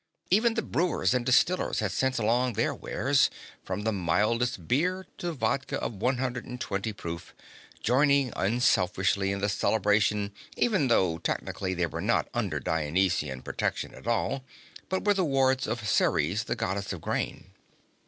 Even the brewers and distillers had sent along their wares, from the mildest beer to vodka of 120 proof, joining unselfishly in the celebration even though, technically, they were not under Dionysian protection at all, but were the wards of Ceres, the Goddess of grain.